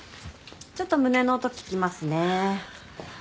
ちょっと胸の音聞きますね。